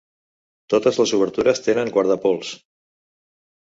Totes les obertures tenen guardapols.